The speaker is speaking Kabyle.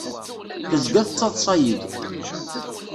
Tezga tettaḍṣa-iyi-d.